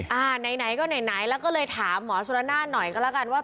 ไหนก็ไหนแล้วก็เลยถามหมอชุระน่านหน่อยก็ละกันว่า